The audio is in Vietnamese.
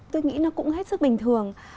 tôi nghĩ nó cũng hết sức bình thường